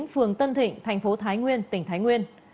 phường tân thịnh thành phố thái nguyên tỉnh thái nguyên